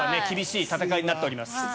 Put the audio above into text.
厳しい戦いになっております。